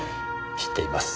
知っています。